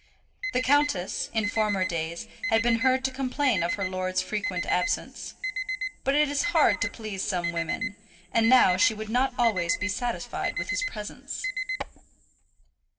The countess, in former days, had been heard to complain of her lord's frequent absence. But it is hard to please some women, and now she would not always be satisfied with his presence.